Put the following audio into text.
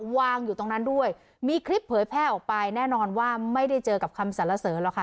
วางอยู่ตรงนั้นด้วยมีคลิปเผยแพร่ออกไปแน่นอนว่าไม่ได้เจอกับคำสรรเสริญหรอกค่ะ